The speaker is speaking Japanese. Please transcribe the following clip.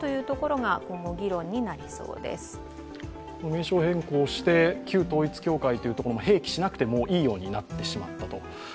名称変更して旧統一教会ということを併記しなくてもいいようになってしまったと。